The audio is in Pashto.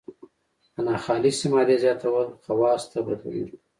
د ناخالصې مادې زیاتول خواصو ته بدلون ورکوي.